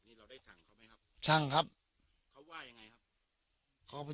นี่เราได้สั่งเขาไหมครับสั่งครับเขาว่ายังไงครับเขาไม่